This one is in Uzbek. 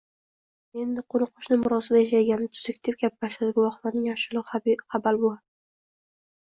Endi, qoʻni-qoʻshni murosada yashagani tuzuk, – deb gap boshladi guvohlarning yoshi ulugʻi Habal buva.